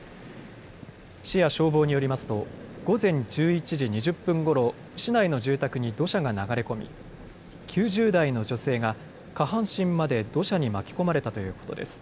市や消防によりますと午前１１時２０分ごろ市内の住宅に土砂が流れ込み９０代の女性が下半身まで土砂に巻き込まれたということです。